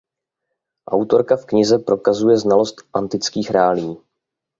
Autorka v knize prokazuje znalost antických reálií.